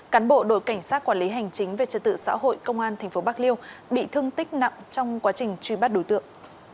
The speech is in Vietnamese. cán bộ đội cảnh sát quản lý hành chính về trật tự xã hội công an tp bạc liêu bị thương tích nặng trong quá trình truy bắt đối tượng